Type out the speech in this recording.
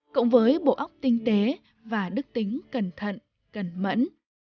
cộng với bộ óc tinh tế và đức tính cẩn thận cẩn mẫn